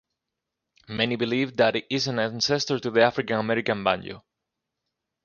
Many believe that it is an ancestor to the African American banjo.